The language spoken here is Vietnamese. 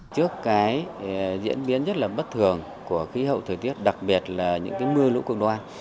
trước cái diễn biến rất là bất thường của khí hậu thời tiết đặc biệt là những mưa lũ cực đoan